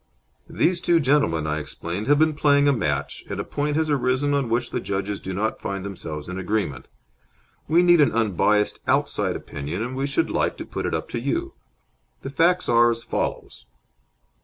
"These two gentlemen," I explained, "have been playing a match, and a point has arisen on which the judges do not find themselves in agreement. We need an unbiased outside opinion, and we should like to put it up to you. The facts are as follows